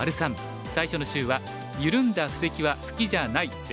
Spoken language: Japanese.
最初の週は「ゆるんだ布石は好きじゃない」です。